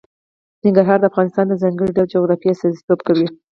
ننګرهار د افغانستان د ځانګړي ډول جغرافیه استازیتوب کوي.